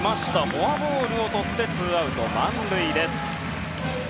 フォアボールをとってツーアウト、満塁です。